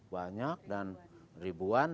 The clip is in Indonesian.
banyak dan ribuan